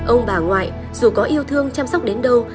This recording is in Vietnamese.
ông bà ngoại dù có yêu thương chăm sóc đến đâu